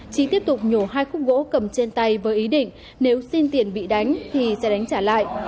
trí tiếp tục nhổ hai khúc gỗ cầm trên tay với ý định nếu xin tiền bị đánh thì sẽ đánh trả lại